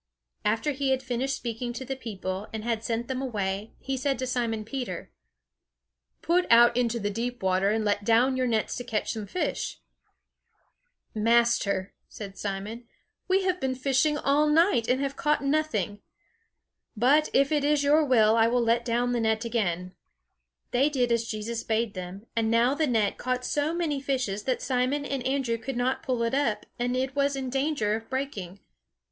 After he had finished speaking to the people, and had sent them away, he said to Simon Peter: "Put out into the deep water and let down your nets to catch some fish." [Illustration: The net caught so many fishes they could not pull it up] "Master," said Simon, "we have been fishing all night, and have caught nothing; but if it is your will, I will let down the net again." They did as Jesus bade them; and now the net caught so many fishes that Simon and Andrew could not pull it up, and it was in danger of breaking.